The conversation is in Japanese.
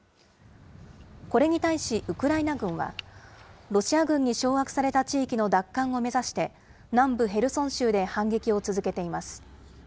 これに対しウクライナ軍は、ロシア軍に掌握された地域の奪還を目指して、南部ヘルソン州で反撃を続けています。